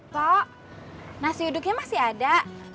kok nasi uduknya masih ada